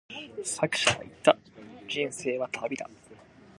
作者は言った、人生は旅だ。